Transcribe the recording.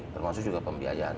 termasuk juga pembiayaan